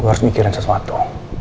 gua harus mikirin sesuatu